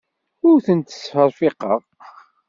Ur tent-ttserfiqeɣ.